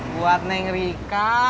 buat neng rika